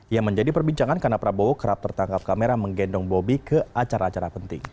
yang menjadi perbincangan karena prabowo kerap tertangkap kamera menggendong bobi ke acara acara penting